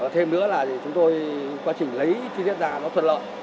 thêm nữa là chúng tôi quá trình lấy chi tiết ra nó thuận lợi